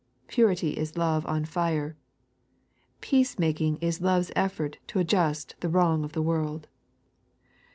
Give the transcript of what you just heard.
Purity is Love on fire. Peace making is Love's effort to adjust the wrong of the world.